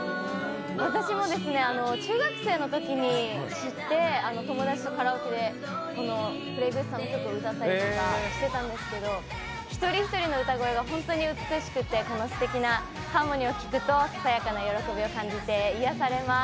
私も中学生のときに知って、友達とカラオケでこのＰｌａｙ．Ｇｏｏｓｅさんの歌を歌ったりとかしてたんですけど一人一人の歌声が本当に美しくて、このすてきなハーモニーを聴くとささやかな喜びを感じて癒やされます。